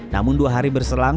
namun dua hari berselang